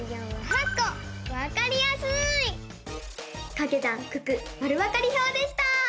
「かけ算九九まるわかり表」でした！